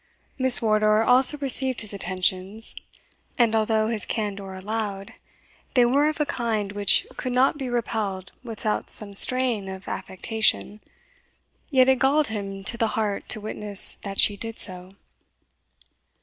Miss Wardour also received his attentions; and although his candour allowed they were of a kind which could not be repelled without some strain of affectation, yet it galled him to the heart to witness that she did so.